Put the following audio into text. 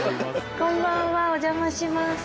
こんばんはお邪魔します。